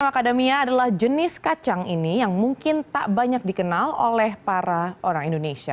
academia adalah jenis kacang ini yang mungkin tak banyak dikenal oleh para orang indonesia